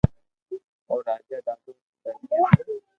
او راجا ڌاڌو درھمي ھتو